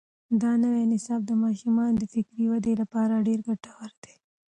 دا نوی نصاب د ماشومانو د فکري ودې لپاره ډېر ګټور دی.